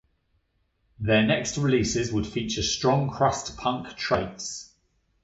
Their next releases would feature strong crust punk traits.